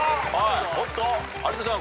おっと有田さん